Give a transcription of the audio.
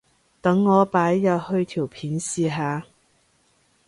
等我擺入去條片試下